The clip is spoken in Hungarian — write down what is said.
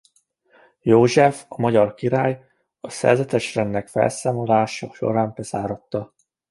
József magyar király a szerzetesrendek felszámolása során bezáratta.